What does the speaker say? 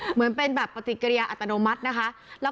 เหมือนเป็นแบบปฏิกิริยาอัตโนมัตินะคะ